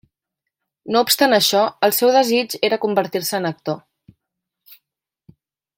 No obstant això, el seu desig era convertir-se en actor.